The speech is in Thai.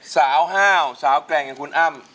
สาวเหล้าสาวแกร่งอย่างคุณอะม